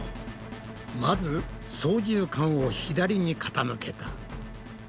まず操縦かんを左に傾けた。